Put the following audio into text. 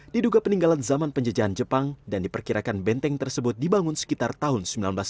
diduga peninggalan zaman penjejahan jepang dan diperkirakan benteng tersebut dibangun sekitar tahun seribu sembilan ratus sembilan puluh